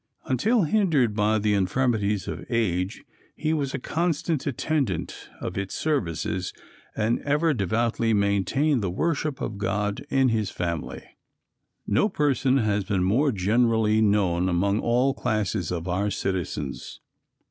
Until hindered by the infirmities of age, he was a constant attendant of its services and ever devoutly maintained the worship of God in his family. No person has been more generally known among all classes of our citizens.